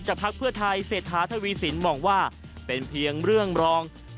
ให้สำเร็จ